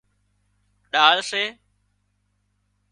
ڏاۯ سي